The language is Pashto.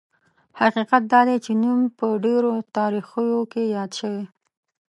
حقیقت دا دی چې نوم په ډېرو تاریخونو کې یاد شوی.